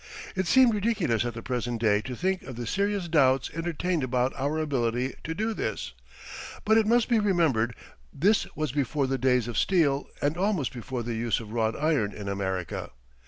It seems ridiculous at the present day to think of the serious doubts entertained about our ability to do this; but it must be remembered this was before the days of steel and almost before the use of wrought iron in America.